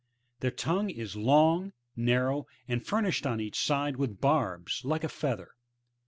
Their ton.siue is k»ng, narrow, and furnished on each side with barbs, like a feather.